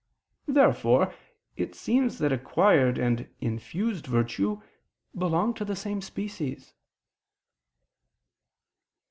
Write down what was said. Therefore it seems that acquired and infused virtue belong to the same species.